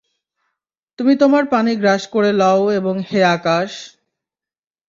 তুমি তোমার পানি গ্রাস করে লও এবং হে আকাশ!